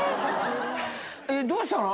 どうしたの？